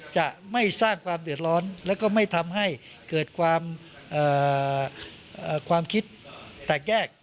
จะไม่สร้างความเดือดร้อนแล้วก็ไม่ทำให้เกิดความคิดแตกแยก